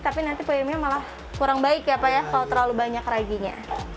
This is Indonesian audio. tapi nanti voyumnya malah kurang baik ya pak ya kalau terlalu banyak rajinya